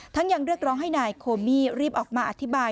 ยังเรียกร้องให้นายโคมี่รีบออกมาอธิบาย